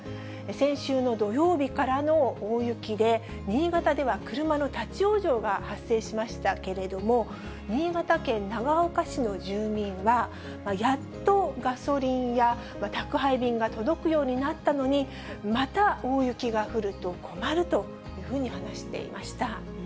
先週の土曜日からの大雪で、新潟では車の立往生が発生しましたけれども、新潟県長岡市の住民は、やっとガソリンや宅配便が届くようになったのに、また大雪が降ると困るというふうに話していました。